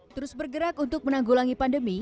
terus bergerak untuk menanggulangi pandemi